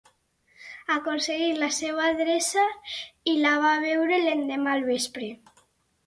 Aconsegueix la seva adreça i la va a veure l'endemà al vespre.